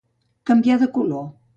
Canviar de color.